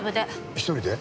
１人で？